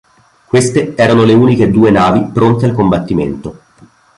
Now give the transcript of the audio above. Queste erano le uniche due navi pronte al combattimento..